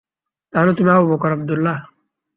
তাহলে তুমি আবু বকর আবদুল্লাহ?